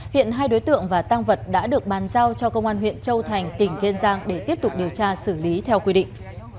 hiện hai đối tượng và tăng vật đã được bàn giao cho công an huyện châu thành tỉnh kiên giang để tiếp tục điều tra xử lý theo quy định